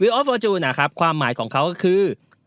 วิวออฟฟอร์จูนความหมายของเขาก็คือ